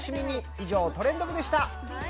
以上、「トレンド部」でした。